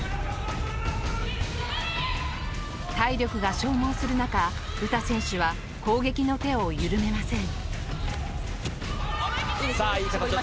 体力が消耗する中、詩選手は攻撃の手を緩めません。